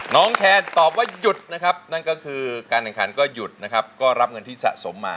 แคนตอบว่าหยุดนะครับนั่นก็คือการแข่งขันก็หยุดนะครับก็รับเงินที่สะสมมา